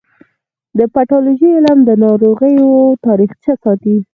د پیتالوژي علم د ناروغیو تاریخچه ساتي.